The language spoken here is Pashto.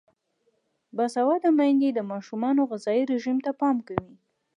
باسواده میندې د ماشومانو غذايي رژیم ته پام کوي.